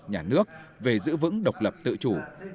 nhà nước về giữ vững độc lập tự chủ